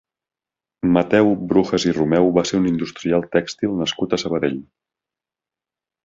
Mateu Brujas i Romeu va ser un industrial tèxtil nascut a Sabadell.